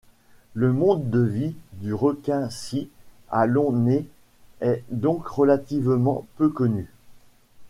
Le mode de vie du requin-scie à long nez est donc relativement peu connu.